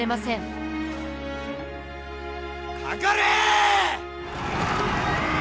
かかれ！